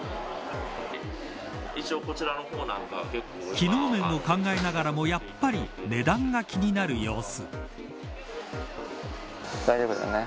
機能面も考えながらもやっぱり値段が気になる様子。